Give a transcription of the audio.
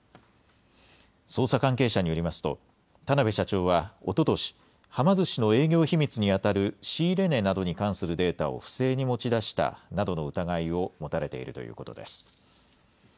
捜査関係者によりますと、田邊社長はおととし、はま寿司の営業秘密に当たる仕入れ値などに関するデータを不正に持ち出したなどの疑いを持たれているということです。